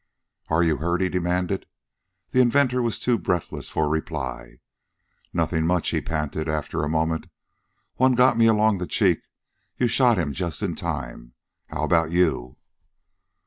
"Are you hurt?" he demanded. The inventor was too breathless for reply. "Nothing much," he panted, after a moment. "One got me along the cheek you shot him just in time. How about you?"